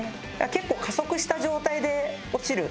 結構加速した状態で落ちる。